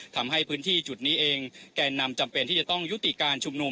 ทำให้พื้นที่จุดนี้เองแก่นำจำเป็นที่จะต้องยุติการชุมนุม